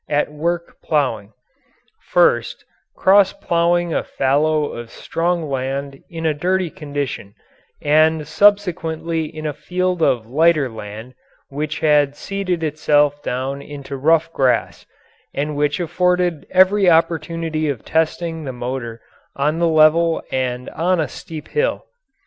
at work ploughing: First, cross ploughing a fallow of strong land in a dirty condition, and subsequently in a field of lighter land which had seeded itself down into rough grass, and which afforded every opportunity of testing the motor on the level and on a steep hill.